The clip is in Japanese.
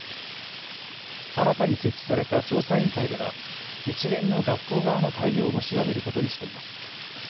新たに設置された調査委員会では一連の学校側の対応も調べることにしています。